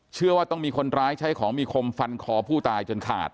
เชื่อว่าต้องมีคนร้ายใช้ของมีคมฟันคอผู้ตายจนขาด